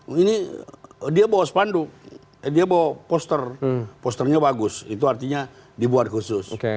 ini dia bawa sepanduk dia bawa poster posternya bagus itu artinya dibuat khusus